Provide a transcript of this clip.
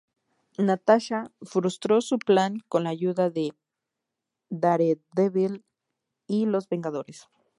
Natasha frustró su plan con la ayuda de Daredevil y Los Vengadores.